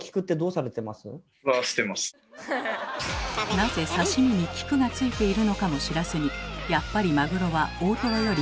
なぜ刺身に菊がついているのかも知らずに「やっぱりマグロは大トロより中トロだよね」